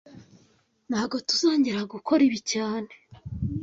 Ntago tuzongera gukora ibi cyane